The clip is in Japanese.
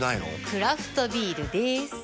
クラフトビールでーす。